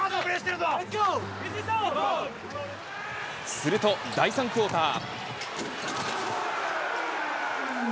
すると第３クオーター。